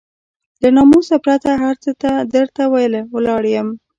له ناموسه پرته هر څه ته درته ولاړ يم.